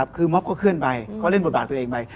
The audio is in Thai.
คือม็อบก็เคลื่อนไปก็เล่นบทบาทตัวเองไป